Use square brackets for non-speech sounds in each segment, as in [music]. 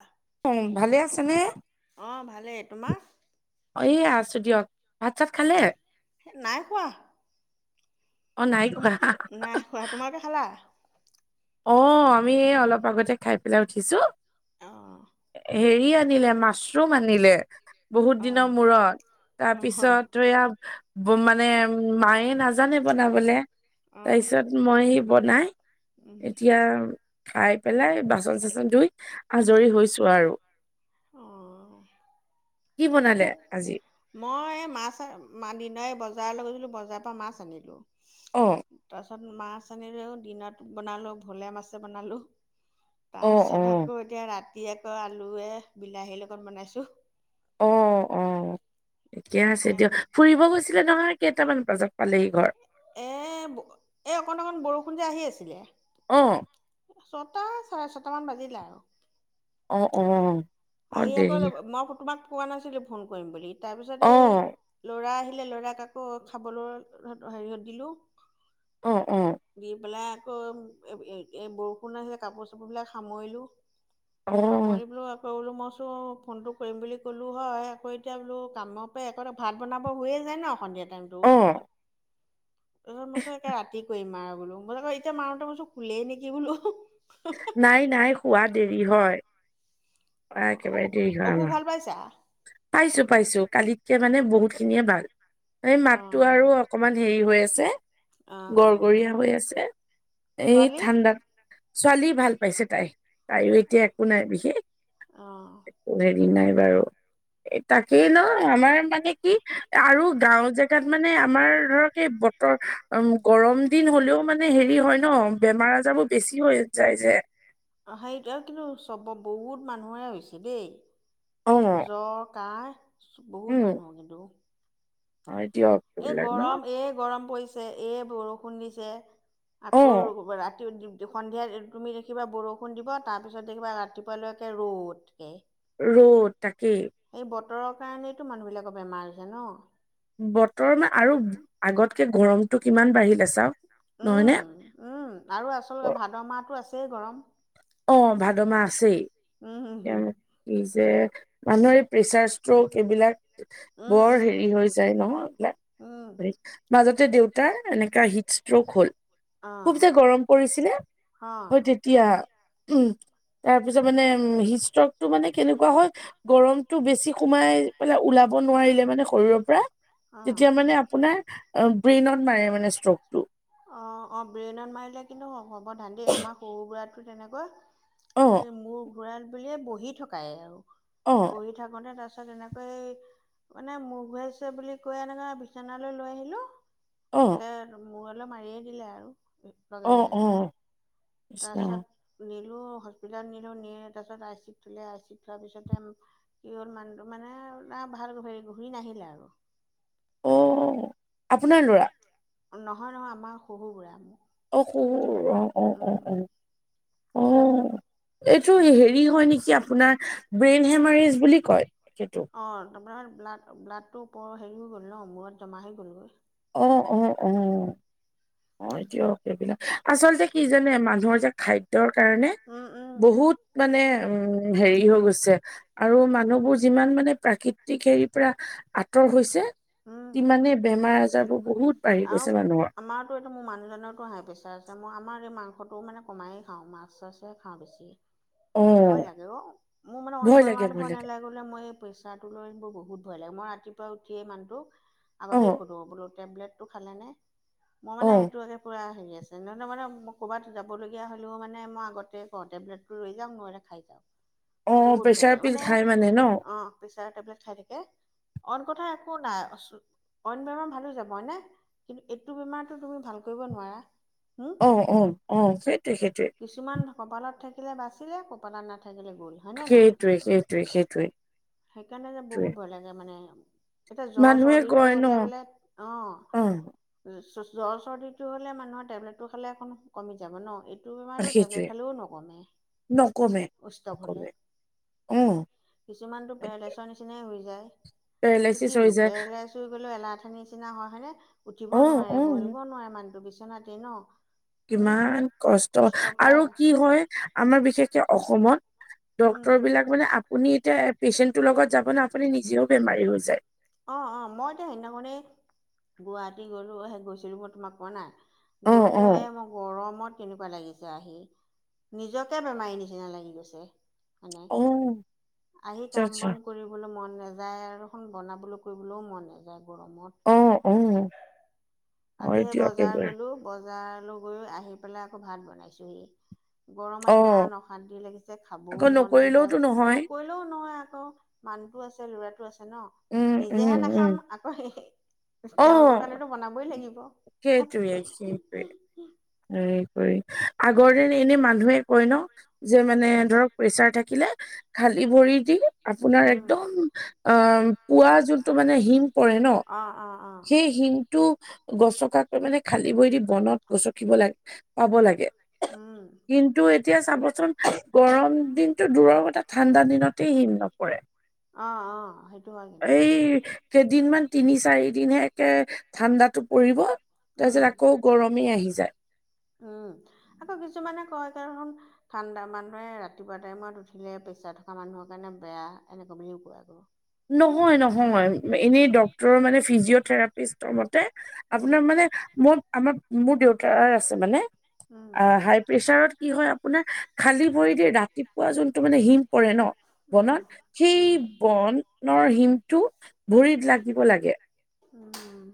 অ অ ভালে আছেনে অঁ ভালেই তোমাৰ এ আছো দিয়ক ভাত চাত খালে স নাই খোৱা অ', নাই খোৱা। নাই খোৱা তোমালোকে খালা অ আমি অলপ আগতে খাই পেলাই উঠিছো অ হেৰি আনিলে মাছৰুম আনিলে বহুত অঁ দিনৰ মূৰত অঁ তাৰপিছত সয়া মানে মায়ে নাজানে বনাবলে অঁ তাৰপিছত মই সি বনাই এতিয়া খাই পেলাই বাচন চাচন ধুই আজৰি হৈছো আৰু অঁ কি বনালে অসুখ আজি মই মাছ ম দিন বজাৰলৈ গৈছিলোঁ বজাৰৰ পৰা মাছ আনিলোঁ অঁ তাৰপাছত মাছ আনিলেও দিনত বনালোঁ ভোলে মাছে বনালোঁ অ', তাৰপিছত অ', আকৌ এতিয়া ৰাতি আকৌ আলুৱে বিলাহীৰ লগত বনাইছোঁ অ অ ঠিকে আছে দিয় ফুৰিব গৈছিলে নহয় কেইটামান বজাত পালেহি ঘৰ এই এই অকণ অকণ বৰষুণ যে আহি আছিলে অ ছটা চাৰে ছটা মান বাজিলে আৰু অ', অ', অ', আহি আকৌ দেৰি মই তোমাক পোৱা নাছিলো ফোন কৰিম বুলি তাৰ পিছত এই অ', ল'ৰা আহিলে ল'ৰাৰাক কাক খাবলৈ হেৰিয়ত দিলোঁ অ অ দি পেলাই আকৌ এই বৰষুণ আছিলে কাপোৰ চাপোৰ বিিলাক সামৰিলো অ', সামৰিবলৈ ত বোলো মই চোনঁ ফোনটো কৰিম বুলি ক'লোঁ হয় আকৌ এতিয়া বোলো কামৰ পৰা একটা ভাত বনাব হৈয়ে যায় ন সন্ধিয়া অ', টাইমটোত তাৰপছত ৰাতি মাৰ বোলো মই আৌ এতিয়া মাৰুতে মো কোলে নেকি বোলো নাই নাই শোৱা দেৰি হয় অ শুৱা অসু অসুখ ভাল পাইছা পাইছো পাইছো কালিতকে মানে বহুত খিনিয়ে ভাল এই মাতটো অঁ আৰু অকণমান হেৰি হৈ আছে অঁ অঁ গৰগৰীয়া হৈ আছে এই ছোৱালী ঠাণ্ডাত ছোৱালী ভাল পাইছে তাই তাইও এতিয়া একো নাই বিশেষ অঁ হেৰি নাই বাৰু তাকেই ন আমাৰ মানে কি আৰু গাঁও জেগাত মানে আমাৰ ধৰক এই বতৰ গৰম দিন হলেও মানে হেৰি হয় ন ন বেমাৰ আজাৰো বেছি হৈ যায় যে অ হেৰিটো আৰু কিন্তু চব বহুত মানুহে হৈছে দেই অ জ্বৰ ক বহুত উম মানুহ কিন্তু হয় দিয়ক এ এইবিলাক ন গৰম, এ গৰম পৰিছে, এ বৰষুণ দিছে। অ আকৌ ৰাতি সন্ধিয়া তুমি দেখিবা বৰষুণ দিব, তাৰপিছত দেখিবা ৰাতি পুৱালকে ৰ'দকে ৰ'দ তাকেই। এই বতৰৰ কাৰণেতো মানুহবিলাকৰ বেমাৰ হৈছে ন? বতৰ মান- আৰু আগতকে গৰমতটো কিমান বাঢ়িলে চাওক। নহয়নে অহ-অহ আৰু আচলতে ভাদ মাহতো আছেই গৰম। অ', ভাদ মাহ আছেই। উম উম কি যে মানুহৰ প্ৰেচাৰ, ষ্ট্ৰোক এইবিলাক উম বৰ উম হেৰি হৈ যায় নহয় এইবিলাক। উম মাজতে দেউতাৰ এনেকা হিট ষ্ট্ৰক হল। অ খুব যে গৰম পৰিছিলে, হয় অ তেতিয়া। উম তাৰ পিছত মানে উম হিতষ্টকটো মানে কেনেকুৱা হয়! গৰমতটো বেছি সোমাই পেলাই ওলাব নোৱাৰিলে মানে শৰীৰৰ পৰা অ তেতিয়া মানে আপোনাৰ ব্ৰেইনত মাৰে মানে ষ্ট্ৰকটো। অ', অ', ব্ৰেইনত মাৰিলে কিন্তু হ'ব ধান দে আমাৰ সহুৰ বুঢ়াটো তেনেকুৱা অ এই মোৰ ঘোৰাল বুলিয়ে বহি থকাই আৰু। অ বহি থকা থাকোতে তাৰপিছত এনেকৈ মানে মুৰ ঘুৱাইছে বুলি কৈ এনেকে বিচনালৈ লৈ আহিলো। অ একে মূৰলে অলপ মাৰিয়ে দিলে আৰু। অ লগে-লগে অ কৃষ্ণ তাৰপিছত নিলো হস্পীতালতে নিলো নি তাৰপিছত আই চিউত থুলে আই চিত থোৱাৰ পিছতে কি হ'ল মানুহটো মানে ভাল হেৰি ঘূৰি নাহিলে আৰু। অ', আপোনাৰ ল'ৰা? নহয়-নহয় আমাৰ শহুবুঢ়া মানে। অ', শহুৰ, অ', অ', অ', অ', অহ। এইটো হেৰি হয় নেকি আপোনাৰ, ব্ৰেইন হেমাৰেজ বুলি কয় সেইটো। অ', তোমাৰ ব্লাড ব্লাডটো ওপৰ হেৰি হৈ গ'ল ন মূৰত জমা হৈ গ'লগৈ। অ', অ', অ'। অ', দিয়ক সেইবিলাক আচলতে কি জানে, মানুহৰ যে খাদ্যৰ কাৰণে উম, উম, বহুত মানে উম হেৰি হৈ গৈছে। আৰু মানুহবোৰ যিমান মানে প্ৰাকৃতিক হেৰিৰ পৰা আঁতৰ হৈছে। উম, তিমানে বেমাৰ আজাৰবোৰ বহুত বাঢ়ি আৰু গৈছে মানুহৰ। আমাৰতো এইটো মোৰ মানুহজনৰতো হাই প্ৰেচাৰ আছে। মই আমাৰ এই মাংসটো মানে কমাই খাওঁ। মাছ চাছে খাওঁ বেছি। অ ভয় লাগে অ'। মোৰ মানে অ', ভয় লাগে বৰমাহটো ভয় লাগে নালাগে। মই প্ৰেচাটো লৈ মোৰ বহুত ভয় লাগে মই ৰাতিপুৱা উঠিয়েই এই মানুহটো অ আগতে সোধো বোলো টেবলেটটো খালানে? মই অ মানে সেইটো হে পুৰা হেৰি আছো। তেনেহ'লে মানে মই ক'ৰবাত যাবলগীয়া হ'লেও মানে মই আগতে কওঁ, তেবলেটটো লৈ যাম নহ'লে খাই যা। অ', প্ৰেচাৰ পিল খাই মানে ন? প্ৰেচাৰ টেবলেট খাই থাকে। অইন কথা একো নাই। অইন বেমাৰ ভালো যাব হয়নে? কিন্তু এইটো বেমাৰতটো তুমি ভাল কৰিব নোৱাৰা। অ', অ', অ', সেইটোৱে-সেইটোৱে। কিছুমান কপালত থাকিলে বাচিলে, কপালত নাথাকিলে গ'ল। হয়নে সেইটোৱে নহয়? সেইটোৱে সেইটোৱে সেইকাৰণে যে সেইটোৱে বহুত ভয় লাগে মানে। এতিয়া জ্বৰ মানুহে চৰ্দিটো কয় ন হলে বোলে অ'। জ্বৰ চৰ্দিটো হ'লে মানুহৰ টেবলেটটো খালে এ কমি যাব ন? এইটো বেমাৰটো সেইটোৱে টেবলেট খালেও নকমে নকমে উষ্টৱ হ'লে। নকমে অ কিছুমানতো পেৰালাইচৰ নিচিনাই হৈ যায়। কিন্তু পেৰালাইচিছ কি হৈ যায় পেৰালাইচ চুই গ'লেও এলাহথান নিচিনা হয় হয়েনে? উঠিব অ', নোৱাৰে অ', বহিব নোৱাৰে মানুহটো বিচনাতে ন? উম কিমান কষ্ট আৰু কি হয় আমাৰ বিশেষকে অসমত। উম ডক্তৰ বিলাক মানে আপুনি এতিয়া পেচেন্টটোৰ লগত যাব ন আপুনি নিজেও বেমাৰী হৈ যায় অঁ অঁ মই এতিয়া সেইদিনাখণই গুৱাহাটী গ'লো সেই গৈছিলোঁ মই তোমাক কোৱা নাই অ', গৈলো হে অ'। মোৰ গৰমত কেনেকুৱা লাগিছে আহি নিজকে বেমাৰী নিচিনা লাগি গৈছে নেে অ', আহি আচ্ছা কাম আচ্ছা বন কৰিবলৈ মন নাযায় আৰুখন বনাবলৈ কৰিবলৈও মন নাযায় গৰমত উ উ আজি সেই বজাৰ গলো বজাৰলৈ গৈ আহি পেলাই আকৌ ভাত বনাইছোহি গৰমত অ', ইমান অশান্তি লাগিছে খাবও আকৌ মন নাযায় নকৰিলেওতো নহয়। নকৰি ও নহয় আকৌ মানুহতো আছে ল'ৰাটো আছে ন উম, নিজেহে উম, উম। নাখাম আকৌ তেওঁলোকৰ অ', কাৰণেতো বনাব ল হে কৰি আগৰ দিন এনে মানুহে কয় ন যে মানে ধৰক প্ৰেচাৰ থাকিলে খালি ভৰি দি আপোনাৰ উম একদম অ পোৱাা যোনটো মানে হিম পৰে ন অ অ অ টো গছকাকৈ মানে খালী বৈ দি বনত গছকিব লাগে পাব লাগে উম কিন্তু এতিয়া চাবচোন গৰম দিনতটো দূৰৰ কথা ঠাণ্ডা দিনতে হীন নপৰে অ অ সেইটো হয় কিন্তু এই কেইদিনমান তিনি চাৰি দিনে একে ঠাণ্ডাতটো পৰিব উম। তাৰ পিছত আকৌ গৰমেই আহি যায় উম আকৌ কিছুমানে কয় কাৰণ ঠাণ্ডা মানুহে ৰাতিপুৱা টাইমত উঠিলে প্ৰেছাৰ থকা মানুহৰ কাৰণে বেয়া এনেকুৱা বুলিও কোৱা গ নহয় নহয় এনেই ড্টৰ মানে ফিজিঅথেৰাপিষ্টৰ মতে উম। আপোনাৰ মানে মোৰ আমাৰ মোৰ দেউতাৰ আছে মানে উম, অ হাই প্ৰেছাৰত কি হয় আপোনাৰ খালী ভৰি দি ৰাতিপুৱা যোনটো মানে হিম পৰে ন উম, বনত সেই উম। বনৰ হিমটো ভৰিত লাগিব লাগে উম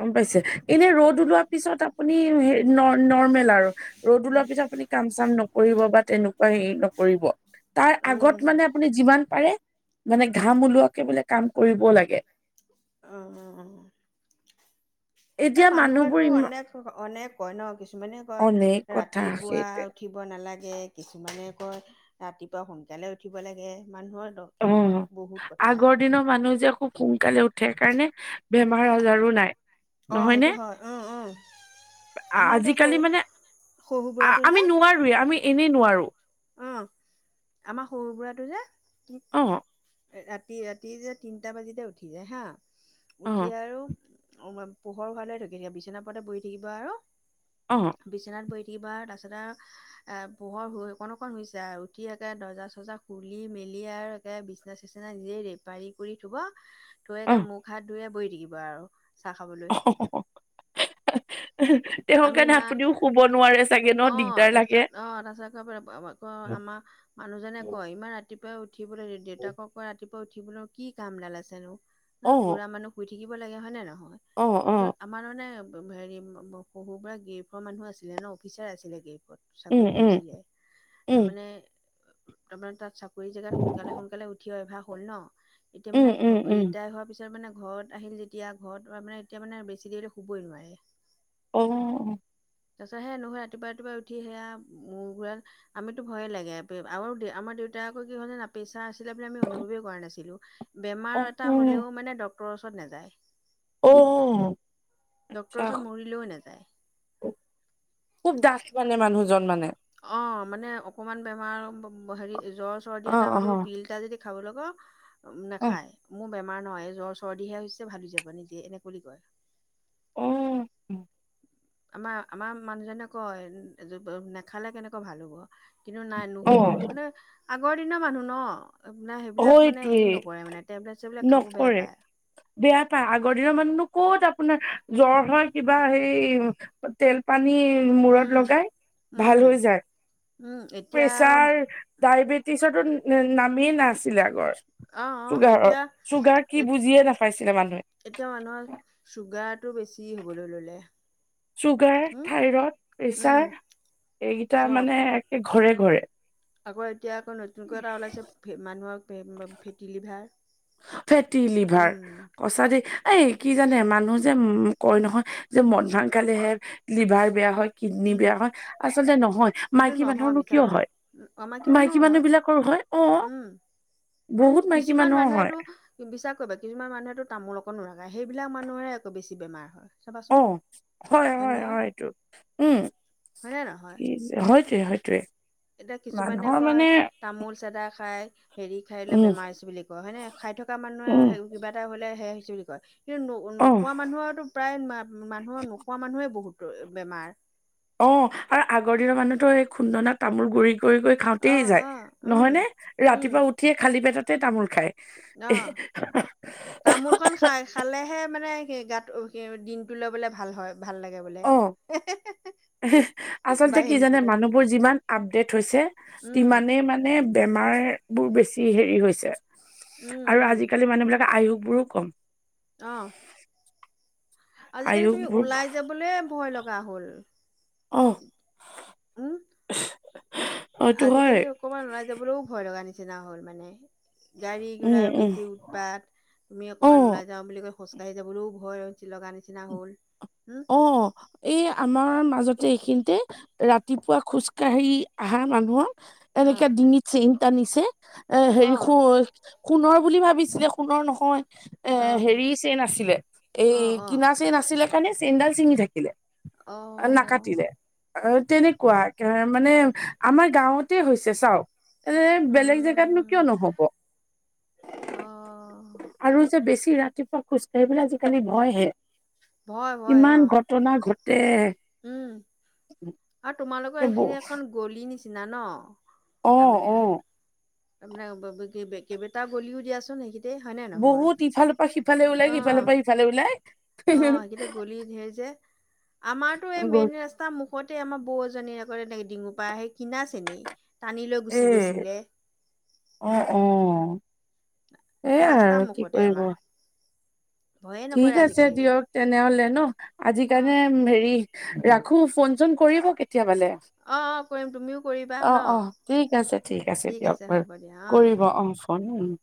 গম পাইছে এনে ৰ'দ ওলোৱা পিছত আপুনি নৰ্মেল আৰু ৰদ ওলোৱাৰ পিছত আপুনি কাম চাম নকৰিব বা তেনেকুৱা হেৰি নকৰিব তাৰ আগত উম, মানে আপুনি যিমান পাৰে মানে ঘাম ওলোৱাকে বোলে কাম কৰিব লাগে অ স এতিয়া মানুহবোৰ মানুহৰো ইমা অনেক অনেক কয় ন কিছুমানে কয় অনেক কথা ৰাতিপুৱা সেইটোৱে উঠিব নালাগে কিছুমানে কয় ৰাতিপুৱা সোনকালে উঠিব লাগে মানুহৰ কি অ বহুত কথা। আগত দিনৰ মানুহ যে খুব সোনকালে উঠে সকাৰণে বেমাৰ আজাৰো নাই অঁ নহয় নে? সেইটো হয় অ অ আমাৰ এতিয়া আজিকালি কৰু মানে সৰু সু বুঢ়াটো আমি যে নোৱাৰোৱে আমি এনেই নোৱাৰো অ আমাৰ সৰু বুৰা টো যে কি অ ৰাতি ৰাতি যে তিনটা বাজিতে উঠি যায় হা অ', উঠি আৰু অ পোহৰ ভালে থাকি থাকিব বিছনা পৰতে বহ থাকিব আৰু অঁ বিচনাত বৈ থাকিব তাৰপছত আৰু পোহৰ হৈ অকণ অকণ হৈছে আৰু উঠি একে দৰ্জা চৰ্জা খুলি মেলি আৰু একে বিচনা চিচিনা নিজেই দ পাৰি কৰি থুব থৈকে অ', মখ হাত ধুয়ে বহ থাকিব আৰু চাহ খাবলৈ তেওঁৰ আমি কাৰণে ইমান আপুনিও শুব নোৱাৰে চাগে ন অ দিগদাৰ লাগে তাৰপিছত অ, তাৰপাছত ক, আমাৰ মানুহজনে কয় ইমান ৰাতিপুৱাই উঠিবলৈ দেউতাকক কয় ৰাতিপুৱ উঠিবলৈ কি কামডাল আছেনো হ অ', বুঢ়া মানুহ শুই থাকিব লাগে হয় নে নহয়। অ', কিন্তু অ'। আমাৰ মানে হেৰি শহুৰু পৰাুৰা গ্ৰফৰ মানুহ আছিলে ন অফিচাৰ আছিলে গ্ৰেইফত। উম, চাকৰি উম, কৰিছিলে তাৰ উম, মানে আমাৰ তাত চাকৰি জেগাত সোনকালে-সোন কালে উঠি অভ্যাস হ'ল ন এতিয়া উম, মানে ঘ উম, উম, ৰিটায়াৰ হোৱাৰ পিছত এতিয়া মানে ঘৰত আহিল যেতিয়া ঘৰত মানে এতিয়া মানে বেছি দেৰিলে শুবই নোৱাৰে। অ'। তাৰপিছত নোশুৱে ৰাতিপুৱা, ৰাতিপুৱা উঠি সেয়া মোৰ ঘূৰাল আমিতো ভয়ে লাগে আৰু আমাৰ দেউতা আকৌ কি হ'ল যানা পেছা আ আছিলে বুলি আমি অনুভৱে কৰা নাছিলো বেমাৰ অ', এটা উম, হ'লেও মানে ডক্তৰ ওচৰত নাযায়। অ', আচ্ছা ডক্তৰৰ ওচৰত মৰিলেও নাযায়। খুব ডাঠ মানে মানুহজন মানে। অ, মানে অকমান বেমাৰ হেৰি জ্বৰ, চৰ্দি অ', এটা হলেও অ', পিল এটা যদি খাবলৈ কও অ'। নাখায় মো বেমাৰ নহয় জ্বৰ চৰ্দিহে হৈছে ভাল হৈ যাব নিজে এনেকৈ বুলি কয়। অ'। আমাৰ-আমাৰ মানুহজনে কয় নেখালে কেনেকুৱা ভাল হ'ব। কিন্তু নাই নুখুব অ', মানে আগৰ দিনৰ মানুহ ন। আপোনাৰ সেইবিলাক মানে হয়টোৱে হেৰি নকৰে মানে টেবলেট ছেবলেট খাব বেয়া নকৰে পায়। বেয়া পায় আগৰ দিনৰ মানুহনো ক'ত আপোনাৰ জ্বৰ হয় কিবা হেৰি তেল, পানী মূৰত উম, লগাই ভাল উম, হৈ যায় উম। এতিয়া আৰু প্ৰেচাৰ ডায়বেটিছটো নামিয়ে নাছিলে আগৰ। অ চুগাৰৰ, এতিয়া চুগাৰ কি বুজিয়ে নাপাইছিলে মানুহে। এতিয়া মানুহৰ চুগাৰটো বেছি হ'বলৈ ল'লে। চুগাৰ উম থাইৰইড উম প্ৰেচাৰ এইকেইটা চব মানে একে ঘৰে, ঘৰে। আকৌ এতিয়া আকৌ নতুনকৈ এটা ওলাইছে মানুহৰ ফেটি লিভাৰ। ফেটি লিভাৰ উম সচাকে দেই এই কি জানে মানুহ যে কয় নহয় যে মদ ভাং খালেহে লিভাৰ বেয়া হয়। কিডনী উম বেয়া হয় আচলতে নহয়। সেইটো মাইকী নহয় মানুহনো মিছা কিয় কথা হয় উম, আমাকী মানুহৰ মাইকী হয় মানুহ বিলাকৰো হয় অ'। উম বহুত মাইকী মানুহৰ হয়। কি বিশ্বাৰ কৰিবা কিছুমান মানুহেতো তামোল অকমাণো নাখায় সেইবিলাক মানুহৰে আকৌ বেছি বেমাৰ হয়। অ, চাবাচোন হয়, হয়, হয়টো উম, হয় নে নহয় হয়। স, হয়তোৱে এতিয়া কিছুমানে মানুহৰ কয় মানে‌ তামোল চাদা খাই হেৰি খাই লৈ উম বেমাৰ হৈছে বুলি কয় হয়নেে খাই থকা উম মানুহে কিবা এটা হলে সে হৈছে বুলি কয়। কিন্তু অ নোখোৱা মানুহতো প্ৰায় মানুহৰ নোখোৱা মানুহেই বহুতো বেমাৰ। অ, আৰু আগৰ দিনৰ মানুহতো এই খুন্দনা তামোল গুৰি কৰি, কৰি খাওঁতে অ যায় অ উম নহয় নে উম ৰাতিপুৱা উঠিয়ে খালী পেটতে তামোল খায়। অ, তামোল খন খাই। খালেহে মানে স, গাত দিনটো লৈ বোলে ভাল হয়, ভাল লাগে বোলে। অ বা আচলতে সেই কি জানে মুখতে মানুহবোৰ যিমান আপডেট হৈছে। উম ইমানে মানে বেমাৰ বোৰ বেছি হেৰি হৈছে উম আৰু উম আজিকালি মানুহবিলাকে আয়ুসবোৰো কম। অ, আজিকালি আয়ুস তুমি বোৰ ওলাই যাব বোলে ভয় লগা হ'ল অ উম। [unintelligible] এইটো হয় আজিকালি অকমান ওলাই যাবলৈও ভয় লগা নিচিনা হল মানে। গাড়ী উম ঘোডাৰ উম বেছি উ কবাট তুমি অ অকণমান ওলাই যাওঁ বুলি কৈ খোজকাঢ়ি যাবলৈও ভয় লগা নিচিনা হ'ল। উম, অ' এই আমাৰ মাজতে এইখিনিতে ৰাতিপুৱা খোজকাাঢ়ি আহাৰ মানুহৰ এনেকে অ', ডিঙিত চেইন টানিছে এ হেৰি অ', সোণৰ বুলি ভাবিছিলে সোণৰ নহয় এ অ', হেৰি চেন আছিলে এই অ', অ', কিনাচ চেন আছিলে কাৰণে চেইনডাল চিঙি থাকিলে অ', নাকাটিলে অ, তেনেকুৱা মানে আমাৰ গাঁৱতে হৈছে চাওক এনে বেলেগ জেগাতনো কিয় উম, নহব অ', আৰু যে বেছি ৰাতিপুৱা খোজ কঢ়িবলৈ আজিকালি ভয় হে ভয় ভয় কিমান অ', ঘটনা ঘটে। উম, আৰু তোমালোকৰ সেইখিনি অকন গলি নিচিনা ন? অ তাৰমানে অ তাৰমানে কেইবটাও গলিও দিয়াচোন সেইখিতে হয়নে নহয় বহুত ইফালৰ পৰা সিফালে ওলাই অ, সিফালৰ পৰা ইফালে ওলাই অ, সেইখিতে গলি ধেৰ যে আমাৰতটো এই গল মেইন ৰাস্ত ৰাস্তা মুখতে আমাৰ বৌ এজনীৰ আকৌ ডিঙোপাই আহেই কিনা চেনেই টানি লৈ এ গুচি গৈছিলে। অ, অ, সেইয়াই ৰাস্তাৰ আৰু কি মুখতে কৰিব। আমাৰ ভয়ে ঠিক নকৰে আছে আজিকালি দিয়ক তেনেহ'লে ন অ আজিকালি হেৰি ৰাখো ফোন চোন কৰিব কেতিয়াবালে। অ অ কৰিম তুমিও কৰিবা অ, ন অ, ঠিক আছে ঠিক আছে দিয়ক বাৰু কৰিব অ, [unintelligible]